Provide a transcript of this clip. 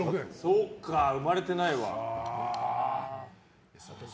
そっか、生まれてないわ。